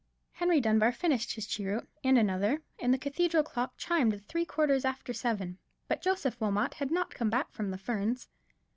Henry Dunbar finished his cheroot, and another, and the cathedral clock chimed the three quarters after seven, but Joseph Wilmot had not come back from the Ferns.